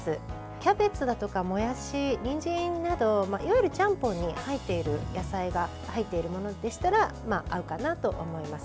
キャベツだとかもやし、にんじんなどいわゆるちゃんぽんに入っている野菜が入っているものでしたら合うかなと思います。